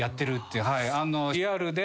リアルで。